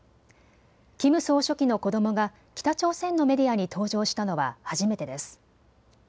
キム総書記の子どもが北朝鮮のメディアに登場したのは初めてです。